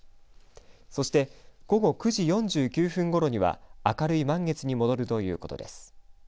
そして、午後９時４９分ごろには明るい満月に戻るということです。